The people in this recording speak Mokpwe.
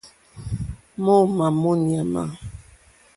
Mǒómá mó ɲàmà.